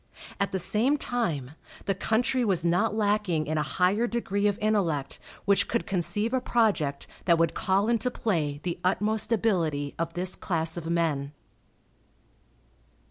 At the same time, the country was not lacking in a higher degree of intellect which could conceive a project that would call into play the utmost ability of this class of men.